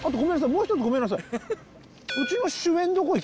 もう一つごめんなさい